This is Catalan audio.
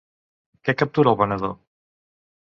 Què captura el venedor?